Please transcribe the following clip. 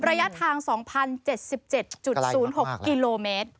ระยะทาง๒๐๗๗๐๖กิโลเมตร